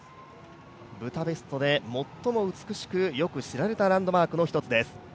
ブダペストで最も美しくよく知られたランドマークの一つです。